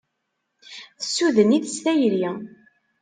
Tessuden-it s tayri